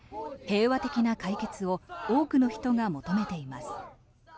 平和的な解決を多くの人が求めています。